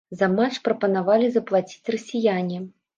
За матч прапанавалі заплаціць расіяне.